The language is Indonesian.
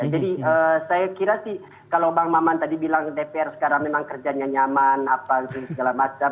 jadi saya kira sih kalau bang maman tadi bilang dpr sekarang memang kerjanya nyaman apa segala macam